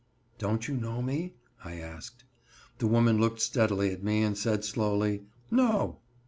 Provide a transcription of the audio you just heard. "Don't you know me?" I asked. The woman looked steadily at me, and said slowly: "No."